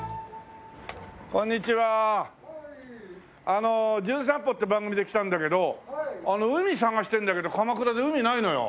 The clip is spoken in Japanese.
あの『じゅん散歩』って番組で来たんだけど海探してるんだけど鎌倉で海ないのよ。